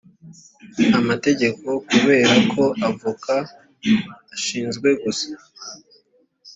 amategeko kubera ko avoka ashinzwe gusa